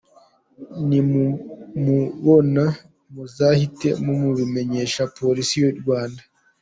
Nimumubona muzahite mubimenyesha Polisi y’u Rwanda."